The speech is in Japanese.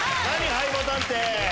ハイボタンって。